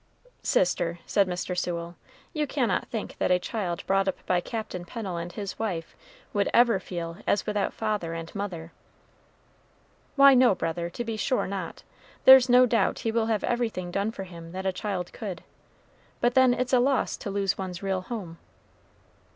"Sister," said Mr. Sewell, "you cannot think that a child brought up by Captain Pennel and his wife would ever feel as without father and mother." "Why, no, brother, to be sure not. There's no doubt he will have everything done for him that a child could. But then it's a loss to lose one's real home."